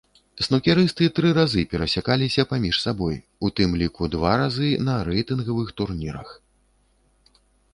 Снукерысты тры разы перасякаліся паміж сабой, у тым ліку два разы на рэйтынгавых турнірах.